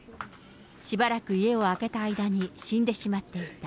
しばらく家を空けた間に死んでしまっていた。